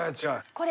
これ。